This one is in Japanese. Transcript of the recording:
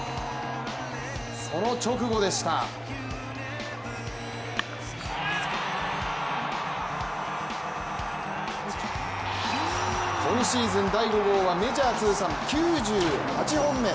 その直後でした今シーズン第５合はメジャー通算９８号目。